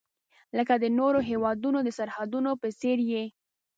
لکه د نورو هیوادونو د سرحدونو په څیر یې.